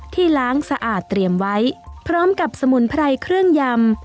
ล้างสะอาดเตรียมไว้พร้อมกับสมุนไพรเครื่องยำ